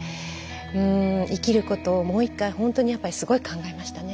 うん生きることをもう一回ほんとにやっぱりすごい考えましたね。